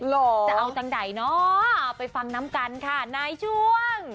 จะเอาจังใดเนาะไปฟังน้ำกันค่ะในช่วง